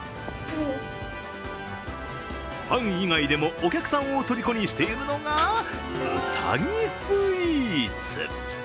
パン以外でもお客さんをとりこにしているのが、うさぎスイーツ。